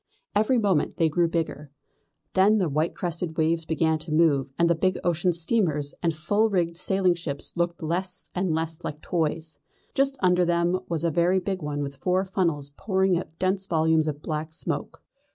Every moment they grew bigger. Then the white crested waves began to move, and the big ocean steamers and full rigged sailing ships looked less and less like toys. Just under them there was a very big one with four funnels pouring out dense volumes of black smoke.